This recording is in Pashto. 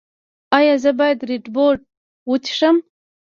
ایا زه باید ردبول وڅښم؟